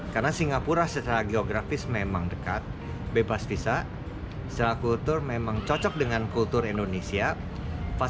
karena singapura secara geografis memang dekat bebas visa secara kultur memang cocok dengan kultur indonesia